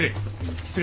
失礼。